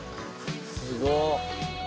すごっ！